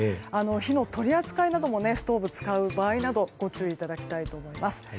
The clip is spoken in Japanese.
火の取り扱いなどもストーブを使う場合などご注意いただきたいと思います。